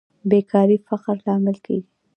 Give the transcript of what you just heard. بیکاري د فقر لامل کیږي